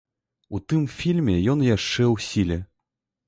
У тым фільме ён яшчэ ў сіле.